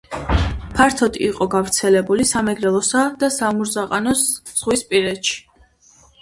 ფართოდ იყო გავრცელებული სამეგრელოსა და სამურზაყანოს ზღვისპირეთში.